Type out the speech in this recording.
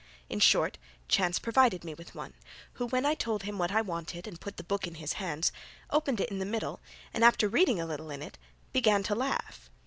In short, chance provided me with one, who when I told him what I wanted and put the book into his hands, opened it in the middle and after reading a little in it began to laugh.